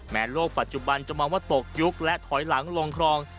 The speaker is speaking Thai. โลกปัจจุบันจะมองว่าตกยุคและถอยหลังลงคลอง